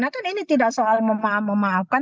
nah kan ini tidak soal memaafkan